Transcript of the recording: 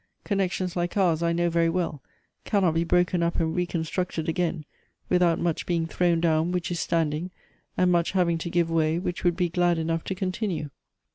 Connections like ours, I know very well, cannot be broken up and reconstructed again without much being thrown down which is standing, and much having to give way which would be glad enough to continue.